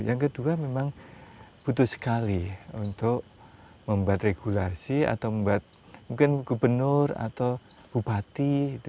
yang kedua memang butuh sekali untuk membuat regulasi atau membuat mungkin gubernur atau bupati